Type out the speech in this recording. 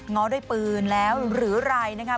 ง้อด้วยปืนแล้วหรือไรนะคะ